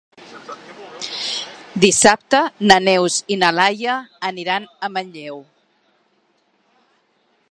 Dissabte na Neus i na Laia aniran a Manlleu.